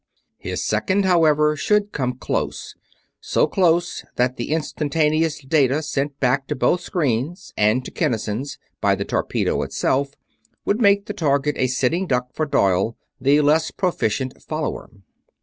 His second, however, should come close; so close that the instantaneous data sent back to both screens and to Kinnison's by the torpedo itself would make the target a sitting duck for Doyle, the less proficient follower.